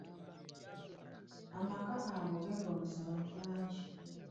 Amaka ago geegombesa abantu bangi.